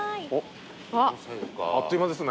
あっという間ですね。